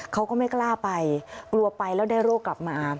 เขาก็ไม่กล้าไปกลัวไปแล้วได้โรคกลับมา